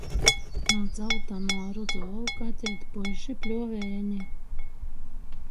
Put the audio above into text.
Nu dzaltanuo rudzu lauka atīt puiši pļuoviejeni.